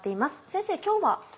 先生今日は？